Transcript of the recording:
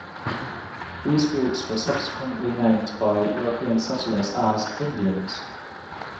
These groups were subsequently named by European settlers as "Indians".